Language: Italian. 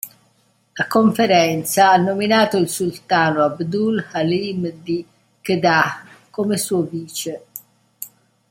La Conferenza ha nominato il sultano Abdul Halim di Kedah come suo vice.